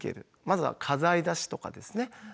まずは家財出しとかですね